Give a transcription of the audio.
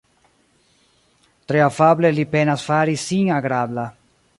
Tre afable li penas fari sin agrabla.